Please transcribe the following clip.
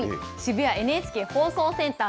渋谷ＮＨＫ放送センター